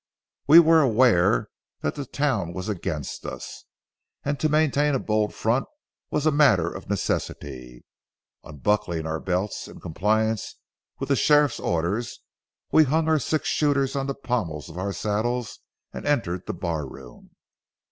We were aware that the town was against us, and to maintain a bold front was a matter of necessity. Unbuckling our belts in compliance with the sheriff's orders, we hung our six shooters on the pommels of our saddles and entered the bar room.